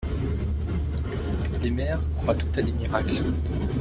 Les mères croient toutes à des miracles.